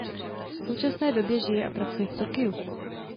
V současné době žije a pracuje v Tokiu.